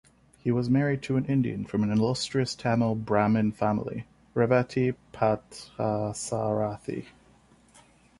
He was married to an Indian from an illustrious Tamil Brahmin family, Revati Parthasarathy.